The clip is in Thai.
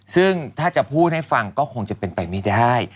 ซึ่งถ้าจะพูดให้ฟังก็คงจะเป็นไปไม่ได้